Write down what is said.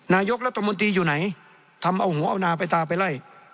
นายกรัฐมนตรีอยู่ไหนทำเอาหัวเอานาไปตาไปไล่